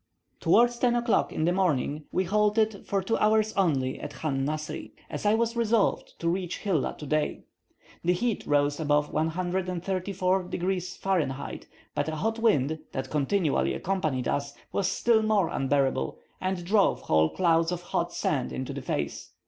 Towards 10 o'clock in the morning, we halted for two hours only at Chan Nasri, as I was resolved to reach Hilla today. The heat rose above 134 degrees Fah.; but a hot wind, that continually accompanied us, was still more unbearable, and drove whole clouds of hot sand into the face.